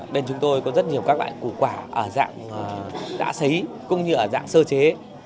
bên chúng tôi có rất nhiều các loại củ quả ở dạng đã xấy cũng như ở dạng sơ chế